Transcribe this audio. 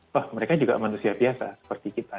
wah mereka juga manusia biasa seperti kita